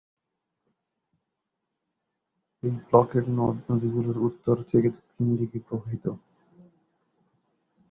এই ব্লকের নদ-নদীগুলি উত্তর থেকে দক্ষিণ দিকে প্রবাহিত।